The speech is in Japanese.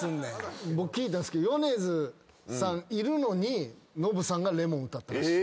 僕聞いたんですけど米津さんいるのにノブさんが『Ｌｅｍｏｎ』歌ったらしい。